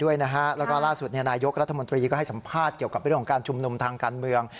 แล้วก็ล่าสุดนายกรัฐมนตรีก็ให้สัมภาษณ์เกี่ยวกับเรื่องของการชุมนุมทางการเมือง